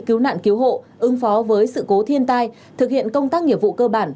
cứu nạn cứu hộ ứng phó với sự cố thiên tai thực hiện công tác nghiệp vụ cơ bản